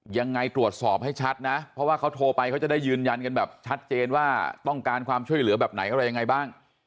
ยังไงตรวจสอบให้ชัดนะเพราะว่าเขาโทรไปเขาจะได้ยืนยันกันแบบชัดเจนว่าต้องการความช่วยเหลือแบบไหนอะไรยังไงบ้าง